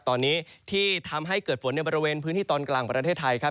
ตอนนี้ที่ทำให้เกิดฝนในบริเวณพื้นที่ตอนกลางประเทศไทยครับ